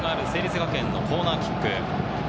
学園のコーナーキック。